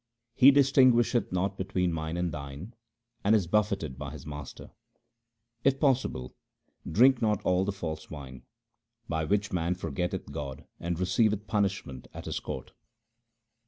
He distinguisheth not between mine and thine, and is buffeted by his master. If possible, drink not at all the false wine, By which man forgetteth God and receiveth punishment at His court.